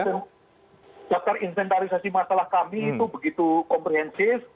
jadi saat insentarisasi masalah kami itu begitu komprehensif